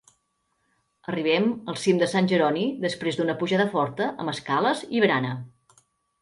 Arribem al cim de Sant Jeroni després d'una pujada forta amb escales i barana.